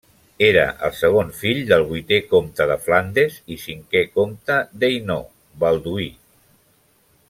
Era el segon fill del vuitè comte de Flandes i cinquè comte d'Hainaut, Balduí.